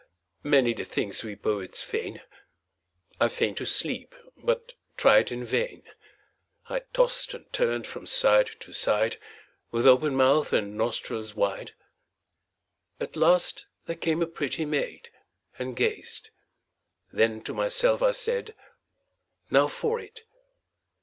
Many the things we poets feign. I feign'd to sleep, but tried in vain. I tost and turn'd from side to side, With open mouth and nostrils wide. At last there came a pretty maid, And gazed; then to myself I said, 'Now for it!'